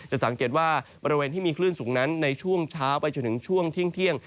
สังเกตว่าบริเวณที่มีคลื่นสูงนั้นในช่วงเช้าไปจนถึงช่วงเที่ยง